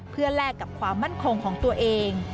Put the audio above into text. เพื่อแลกกับความมั่นคงของตัวเอง